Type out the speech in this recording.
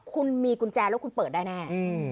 คุณมีกุญแจแล้วคุณเปิดได้แน่